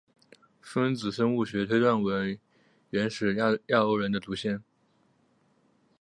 分子生物学推断为原始亚欧人的祖先。